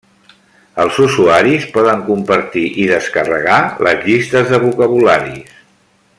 Els usuaris poden compartir i descarregar les llistes de vocabularis.